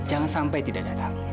jangan sampai tidak datang